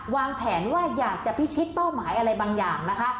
วางแผนว่าอยากจะพิชิตเป้าหมายอะไรบางอย่างนะคะ